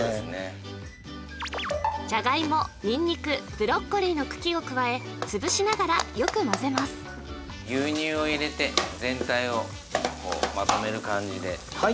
じゃがいもにんにくブロッコリーの茎を加え潰しながらよく混ぜます牛乳を入れて全体をまとめる感じではい！